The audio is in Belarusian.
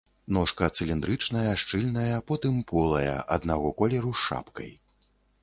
Ножка цыліндрычная, шчыльная, потым полая, аднаго колеру з шапкай.